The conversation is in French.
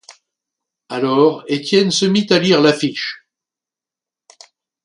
Alors, Étienne se mit à lire l'affiche.